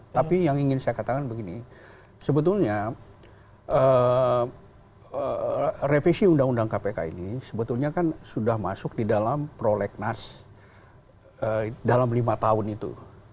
tapi yang ingin saya katakan begini sebetulnya revisi undang undang kpk ini sebetulnya kan sudah masuk di dalam prolegnas dalam lima tahun itu